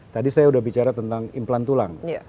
tadi saya sudah bicara tentang implan tulang